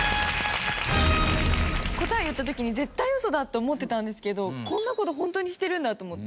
答えを言った時に絶対ウソだと思ってたんですけどこんな事ホントにしてるんだと思って。